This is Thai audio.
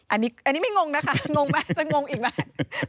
อันนี้ไม่ง่งนะคะจะงงอีกไหม